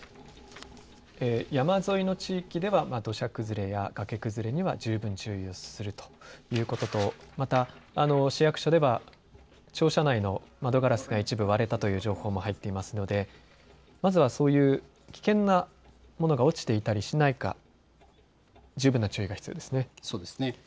山沿いの地域では土砂崩れや崖崩れには十分注意をするということと、また、市役所では庁舎内の窓ガラスが一部割れたという情報も入っていますのでまずはそういう危険なものが落ちていたりしないか十分な注意が必要ですね。